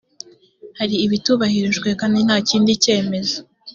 hari ibitubahirijwe kandi nta kindi cyemezo